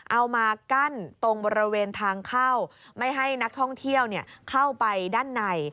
เอามากั้นตรงบริเวณทางเข้าไม่ให้นักท่องเที่ยวเข้าไปด้านใน